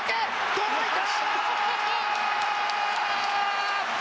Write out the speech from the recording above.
届いた！